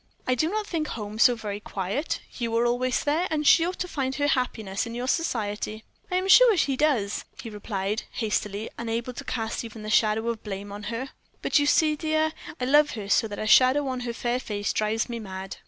"I do not think home so very quiet. You are always there, and she ought to find her happiness in your society." "I am sure she does," he replied, hastily, unable to cast even the shadow of blame on her; "but you see, dear, I love her so that a shadow on her fair face drives me mad."